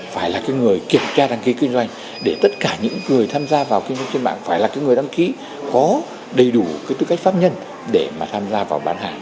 phải là cái người kiểm tra đăng ký kinh doanh để tất cả những người tham gia vào kinh doanh trên mạng phải là cái người đăng ký có đầy đủ cái tư cách pháp nhân để mà tham gia vào bán hàng